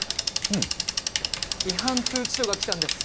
うん違反通知書が来たんです